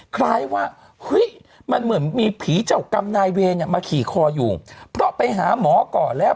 คล้ายว่าเฮ้ยมันเหมือนมีผีเจ้ากรรมนายเวรมาขี่คออยู่เพราะไปหาหมอก่อนแล้ว